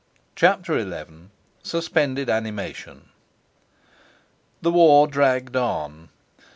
CHAPTER XI SUSPENDED ANIMATION The war dragged on.